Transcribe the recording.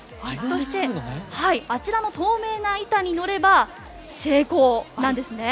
そしてあちらの透明な板にのれば成功なんです。